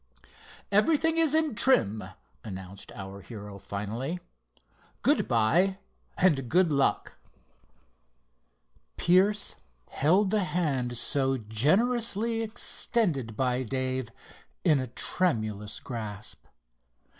"Everything is in trim," announced our hero, finally. "Good bye and good luck." Pierce held the hand so generously extended by Dave in a tremulous grasp.